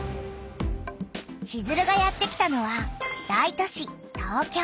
チズルがやってきたのは大都市東京。